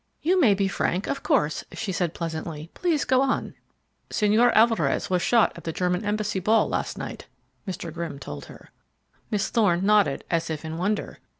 "You may be frank, of course," she said pleasantly. "Please go on." "Señor Alvarez was shot at the German Embassy Ball last night," Mr. Grimm told her. Miss Thorne nodded, as if in wonder.